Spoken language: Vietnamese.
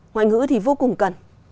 ngoại ngữ thì vô cùng cần